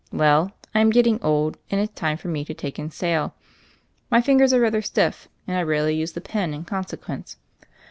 Well, I am getting old, and it's time for me to take in sail. My fingers are rather stiff, and I rarely use the pen in consequence.